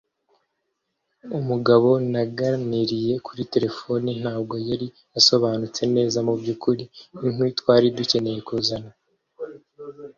Umugabo naganiriye kuri terefone ntabwo yari asobanutse neza mubyukuri inkwi twari dukeneye kuzana